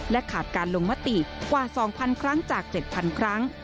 ขาดการลงมติกว่า๒๐๐ครั้งจาก๗๐๐ครั้ง